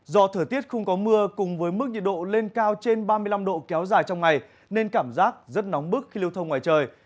do thời tiết không có mưa cùng với mức nhiệt độ lên cao trên ba mươi năm độ kéo dài trong ngày nên cảm giác rất nóng bức khi lưu thông ngoài trời